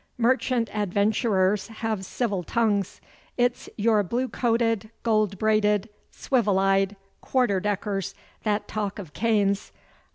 'Merchant adventurers have civil tongues. It's your blue coated, gold braided, swivel eyed, quarter deckers that talk of canes.